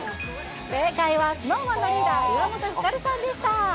正解はＳｎｏｗＭａｎのリーダー、岩本照さんでした。